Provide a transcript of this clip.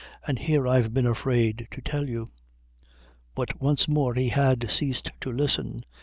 And here I've been afraid to tell you." But once more he had ceased to listen.